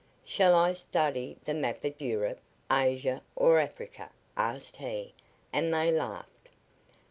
"Shall I study the map of Europe, Asia or Africa?" asked he, and they laughed.